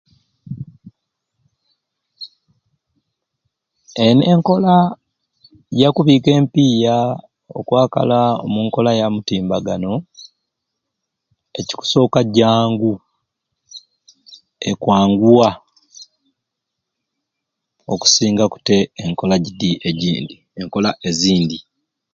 Eni enkola yakubika empiya okwakala omunkola ya mutimbagano ekikusoka jangu ekwanguwa okusingaku tte enkola jidi ejindi enkola ezindi.